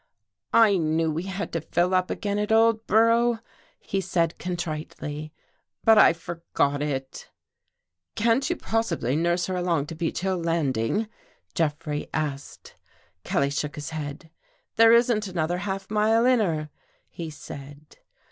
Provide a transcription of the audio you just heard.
" I knew we had to fill up again at Old borough," he said contritely, " but I forgot it." " Can't you possibly nurse her along to the Beech Hill landing? " Jeffrey asked. Kelly shook his head. " There isn't another half mile in her," he said.